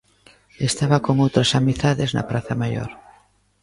Estaba con outras amizades na Praza Maior.